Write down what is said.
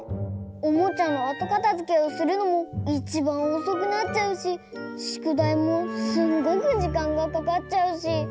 おもちゃのあとかたづけをするのもいちばんおそくなっちゃうししゅくだいもすんごくじかんがかかっちゃうし。